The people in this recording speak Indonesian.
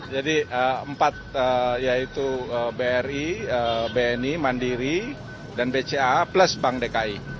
empat yaitu bri bni mandiri dan bca plus bank dki